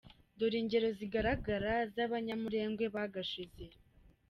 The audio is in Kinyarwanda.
Dore ingero zigaragara z’Abanyamurengwe bagashize :